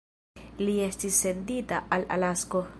Li estis sendita al Alasko.